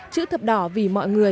chữ thập đỏ vì mọi người